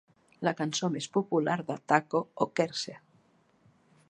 la cançó més popular de Taco Ockerse